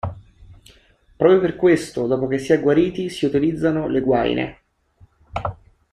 Proprio per questo, dopo che si è guariti si utilizzano le guaine.